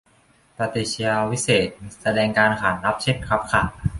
ประติชญาวิเศษณ์ แสดงการขานรับ เช่น ครับ ค่ะ